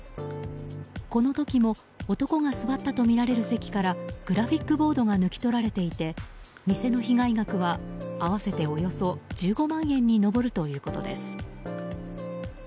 この時も男が座ったとみられる席からグラフィックボードが抜き取られていて店の被害額は合わせておよそ１５万円に上るということです。